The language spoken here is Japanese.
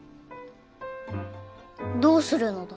どうするのだ？